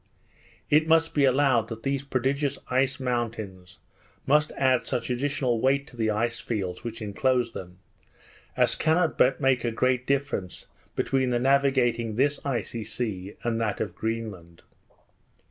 It must be allowed, that these prodigious ice mountains must add such additional weight to the ice fields which inclose them, as cannot but make a great difference between the navigating this icy sea and that of Greenland.